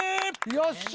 よっしゃ！